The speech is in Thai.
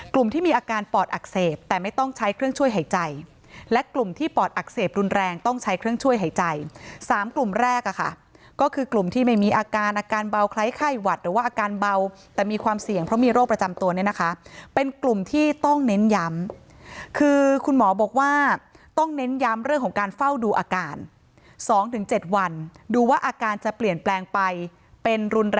ที่มีอาการปอดอักเสบแต่ไม่ต้องใช้เครื่องช่วยหายใจและกลุ่มที่ปอดอักเสบรุนแรงต้องใช้เครื่องช่วยหายใจ๓กลุ่มแรกอะค่ะก็คือกลุ่มที่ไม่มีอาการอาการเบาคล้ายไข้หวัดหรือว่าอาการเบาแต่มีความเสี่ยงเพราะมีโรคประจำตัวเนี่ยนะคะเป็นกลุ่มที่ต้องเน้นย้ำคือคุณหมอบอกว่าต้องเน้นย้ำเรื่องของการเฝ้าดูอาการ๒๗วันดูว่าอาการจะเปลี่ยนแปลงไปเป็นรุ